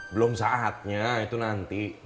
belum saatnya itu nanti